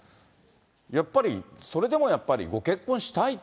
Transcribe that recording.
やっぱり、それでもやっぱりご結婚したいと。